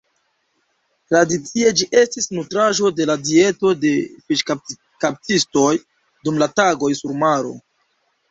Tradicie ĝi estis nutraĵo de la dieto de fiŝkaptistoj dum la tagoj sur maro.